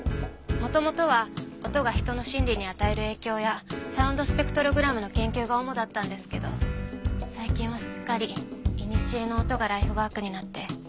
元々は音が人の心理に与える影響やサウンドスペクトログラムの研究が主だったんですけど最近はすっかりいにしえの音がライフワークになって。